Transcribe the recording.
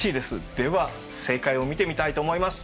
では正解を見てみたいと思います。